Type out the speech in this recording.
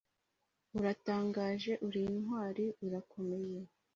uratangaje, uri intwari, urakomeye